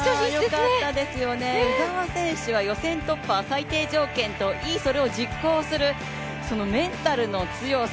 よかったですよね、鵜澤選手は予選突破は最低条件と言い、それを実行するメンタルの強さ。